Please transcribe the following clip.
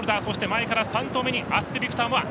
前から３頭目にアスクビクターモア。